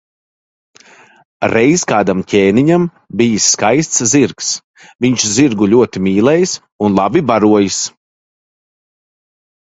Reiz kādam ķēniņam bijis skaists zirgs, viņš zirgu ļoti mīlējis un labi barojis.